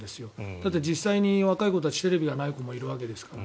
だって、実際に若い子たちテレビがない子たちもいるわけですから。